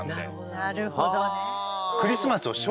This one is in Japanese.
なるほどね。